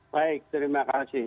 baik terima kasih